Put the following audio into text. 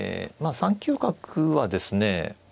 ３九角はですね